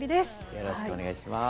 よろしくお願いします。